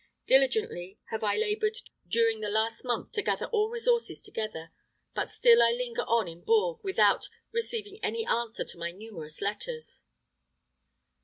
Diligently have I labored during the last month to gather all resources together; but still I linger on in Bourges without receiving any answer to my numerous letters."